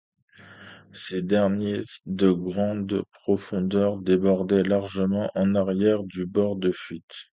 Ces derniers, de grande profondeur, débordaient largement en arrière du bord de fuite.